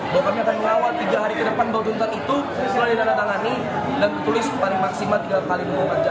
bahwa kami akan mengawal tiga hari ke depan dua belas tuntutan itu setelah didatangani dan ditulis paling maksimal tiga golongan jam